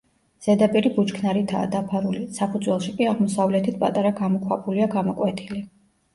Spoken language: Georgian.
ზედაპირი ბუჩქნარითაა დაფარული, საფუძველში კი აღმოსავლეთით პატარა გამოქვაბულია გამოკვეთილი.